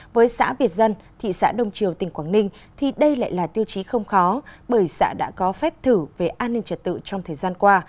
với xã việt dân thị xã đông triều tỉnh quảng ninh thì đây lại là tiêu chí không khó bởi xã đã có phép thử về an ninh trật tự trong thời gian qua